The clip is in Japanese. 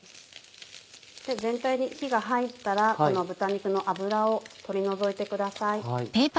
全体に火が入ったらこの豚肉の脂を取り除いてください。